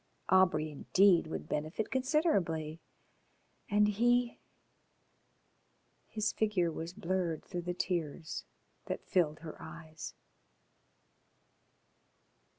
Aubrey, indeed, would benefit considerably. And he ? His figure was blurred through the tears that filled her eyes.